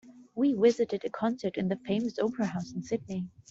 We visited a concert in the famous opera house in Sydney.